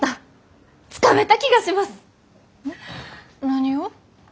何を？